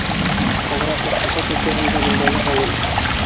Аграр иҡтисад өлкәһендә билдәле ғалим.